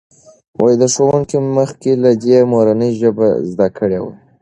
ښوونکي مخکې له دې مورنۍ ژبه زده کړې وه.